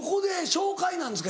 紹介なんですか？